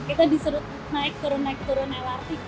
kita disuruh naik turun naik turun lrt